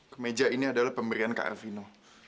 kemeja ini adalah pemberian kak elvino